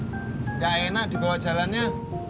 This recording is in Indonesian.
enggak enak dibawa jalannya